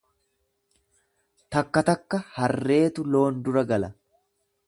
Takka takka harreetu loon dura gala.